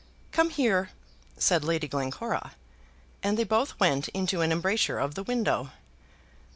"Come here," said Lady Glencora; and they both went into an embrasure of the window.